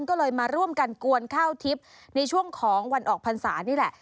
ก็เลยมาร่วมกันกวนข้าวทิพย์ในช่วงของวันออกพรรษานี่แหละ